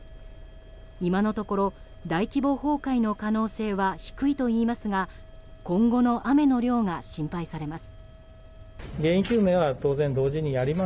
今のところ、大規模崩壊の可能性は低いといいますが今後の雨の量が心配されます。